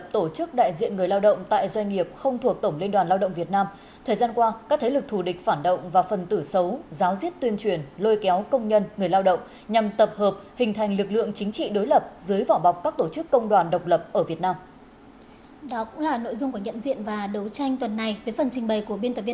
đó cũng là nội dung của nhận diện và đấu tranh tuần này với phần trình bày của biên tập viên nam hà